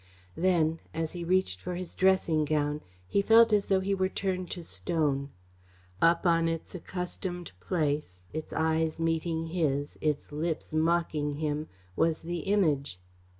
Then, as he reached for his dressing gown, he felt as though he were turned to stone. Up on its accustomed place, its eyes meeting his, its lips mocking him, was the Image.